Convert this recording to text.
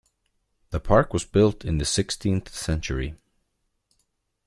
The park was built in the sixteenth century.